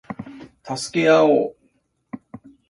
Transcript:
助け合おう